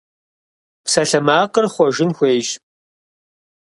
Псалъэмакъыр хъуэжын хуейщ.